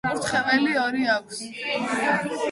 საკურთხეველი ორი აქვს.